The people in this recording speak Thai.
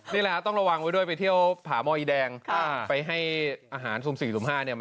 นี่แหละต้องระวังไว้ด้วยไปเที่ยวผาหมออีแดงไปให้อาหารซุ่ม๔หรือ๕